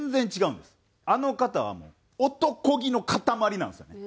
あの方は男気の塊なんですよね。